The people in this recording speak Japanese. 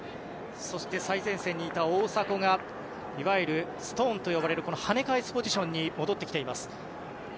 そして、最前線にいた大迫がいわゆるストーンと呼ばれるはね返すポジションに戻ってきています。